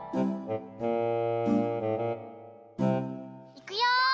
いくよ！